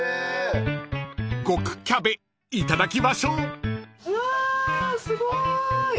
［極キャベいただきましょう］わすごい。